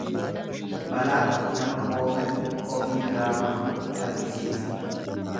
Balaatti nama oofanii ofii biraa hafuu argisiisa.